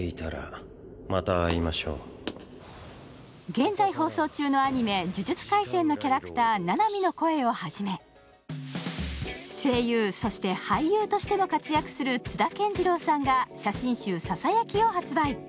現在放送中のアニメ「呪術廻戦」のキャラクター・七海の声をはじめ、声優、そして俳優としても活躍する津田健次郎さんが写真集「ささやき」を発売。